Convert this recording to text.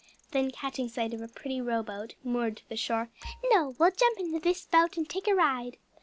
Then catching sight of a pretty row boat, moored to the shore, "No, we'll jump into this boat and take a ride!"